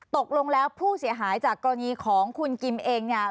ตกลงแล้วผู้เสียหายจากกรณีของคุณกิมเองเนี่ย